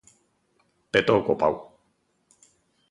Petou co pau.